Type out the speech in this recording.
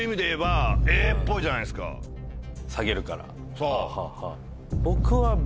そう。